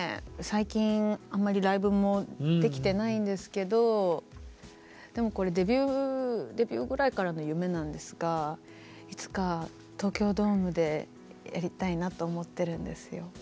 最近あまりライブもできてないんですけどでもこれデビューぐらいからの夢なんですがいつか東京ドームでやりたいなと思ってるんですよ。